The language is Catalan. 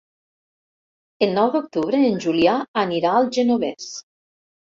El nou d'octubre en Julià anirà al Genovés.